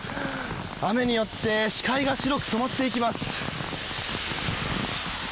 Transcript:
雨によって視界が白く染まっていきます。